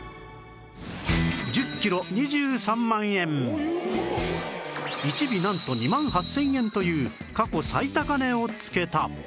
１尾なんと２万８０００円という過去最高値をつけた